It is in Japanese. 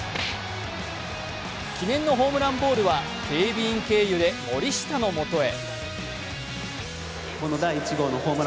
記念のホームランボールは警備員経由で森下のもとへ。